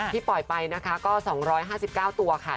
ปล่อยไปนะคะก็๒๕๙ตัวค่ะ